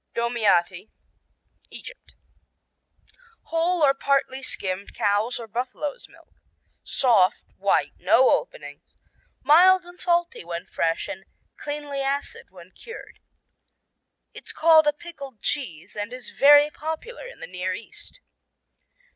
Domiati Egypt Whole or partly skimmed cow's or buffalo's milk. Soft; white; no openings; mild and salty when fresh and cleanly acid when cured. It's called "a pickled cheese" and is very popular in the Near East.